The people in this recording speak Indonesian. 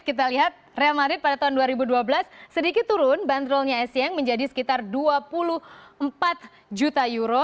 kita lihat real madrid pada tahun dua ribu dua belas sedikit turun bandrolnya essieng menjadi sekitar dua puluh empat juta euro